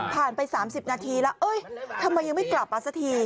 ไป๓๐นาทีแล้วทำไมยังไม่กลับมาสักที